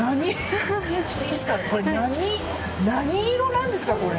何色なんですか、これ。